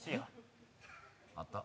あった？